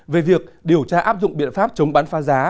về việc điều tra áp dụng biện pháp chống bán phá giá